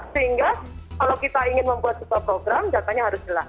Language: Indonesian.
sehingga kalau kita ingin membuat sebuah program datanya harus jelas